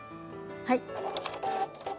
はい。